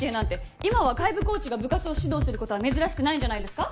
今は外部コーチが部活を指導する事は珍しくないんじゃないですか？